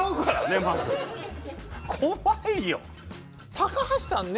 高橋さんね